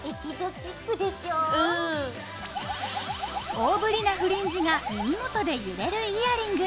大ぶりなフリンジが耳元で揺れるイヤリング。